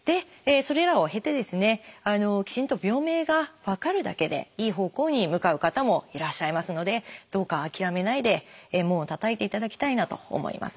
それらを経てですねきちんと病名が分かるだけでいい方向に向かう方もいらっしゃいますのでどうか諦めないで門をたたいていただきたいなと思います。